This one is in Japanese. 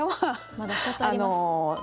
まだ２つあります。